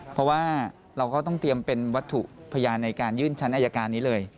เพราะว่าเราก็ต้องเตรียมเป็นวัตถุพยานในการยื่นชั้นอายการนี้เลย